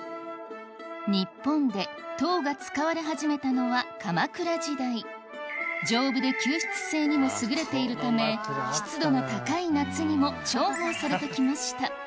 日本で籐が使われ始めたのは鎌倉時代丈夫で吸湿性にも優れているため湿度の高い夏にも重宝されてきました